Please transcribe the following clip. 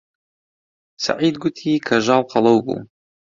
سەعید گوتی کەژاڵ قەڵەو بوو.